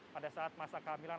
pada saat masa kehamilan